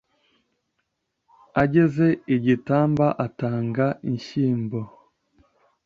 ageze i gitamba atanga inshyimbo